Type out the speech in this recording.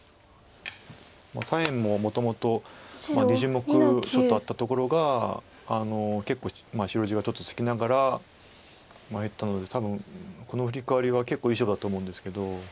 ２０目ちょっとあったところが結構白地がちょっとつきながらいったので多分このフリカワリは結構いい勝負だと思うんですけど。